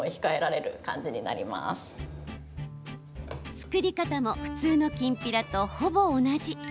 作り方も普通のきんぴらとほぼ同じ。